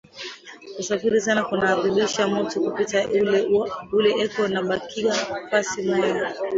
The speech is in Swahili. Kusafiri sana kuna adibisha mutu kupita ule eko nabakia fasi moya